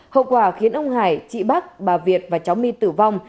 hậu quả khiến ông hải chị bắc bà việt và cháu my tử vong